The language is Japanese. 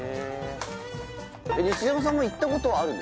西島さんも行ったことはある？